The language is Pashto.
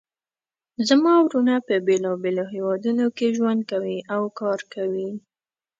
زما وروڼه په بیلابیلو هیوادونو کې ژوند کوي او کار کوي